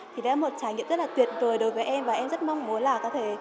thì đấy là một trải nghiệm rất là tuyệt vời đối với em và em rất mong muốn là có thể